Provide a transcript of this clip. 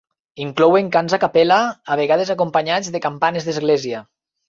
Inclouen cants a cappella, a vegades acompanyats de campanes d'església.